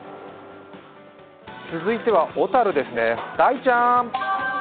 続いては小樽ですね、大ちゃーん。